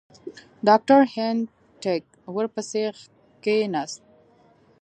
ډاکټر هینټیګ ورپسې کښېنست.